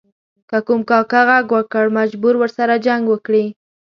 که کوم کاکه ږغ وکړ مجبور و ورسره جنګ وکړي.